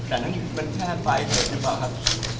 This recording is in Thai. แต่นั้นมันแทบไปจริงป่ะครับ